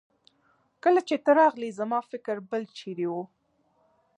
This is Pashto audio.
کله چې ته راغلې زما فکر بل چيرې وه.